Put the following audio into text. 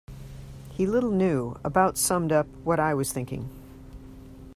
He little knew, about summed up what I was thinking.